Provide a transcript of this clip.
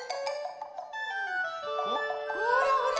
ほらほら。